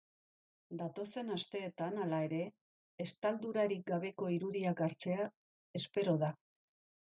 Datozen asteetan, hala ere, estaldurarik gabeko irudiak hartzea espero da.